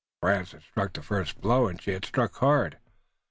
France had struck the first blow, and she had struck hard.